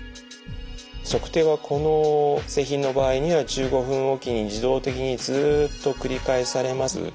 測定はこの製品の場合には１５分おきに自動的にずっと繰り返されます。